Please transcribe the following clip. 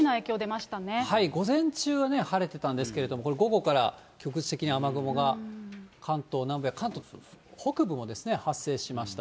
午前中はね、晴れてたんですけれども、これ、午後から局地的に雨雲が関東南部や関東北部もですね、発生しました。